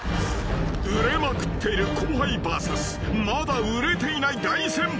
［売れまくっている後輩ＶＳまだ売れていない大先輩］